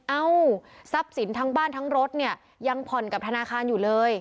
เอ้าทรัพย์สินทั้งบ้านทั้งรถเนี่ยยังผ่อนกับธนาคารอยู่เลย